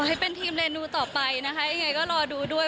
ให้เป็นทีมเรนูต่อไปนะคะยังไงก็รอดูด้วย